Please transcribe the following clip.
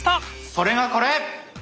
それがこれ！